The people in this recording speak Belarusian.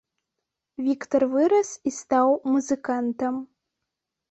Віктар вырас і стаў музыкантам.